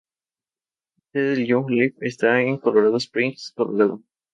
La sede de Young Life está en Colorado Springs, Colorado.